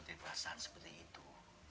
dari perasaan seperti itu